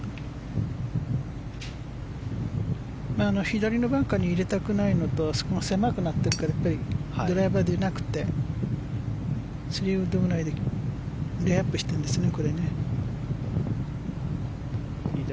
左のバンカーに入れたくないのとあそこが狭くなっているからドライバーでなくて３ウッドぐらいでレイアップしているんですね。